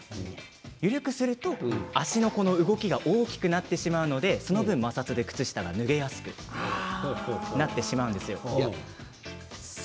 緩くすると足の動きが大きくなってしまってその分、靴の中で摩擦が起きて脱げやすくなってしまうんです。